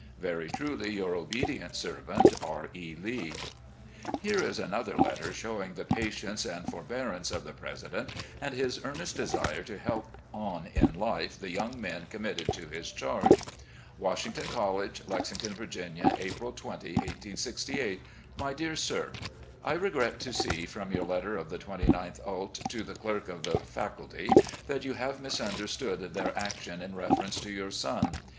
" Very truly your obedient servant, R. E. Lee." Here is another letter showing the patience and for bearance of the president and his earnest desire to help on in life the young men committed to his chaige : "Washington College, "Lexington, Virginia, April 20, 1868. " My Dear Sir: I regret to see, from your letter of the 29th ult., to the clerk of the faculty, that you have mis understood their action in reference to your son.